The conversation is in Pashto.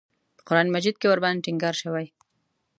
په قران مجید کې ورباندې ټینګار شوی.